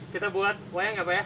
kita buat wayang ya pak ya